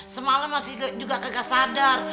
semalam juga masih kagak sadar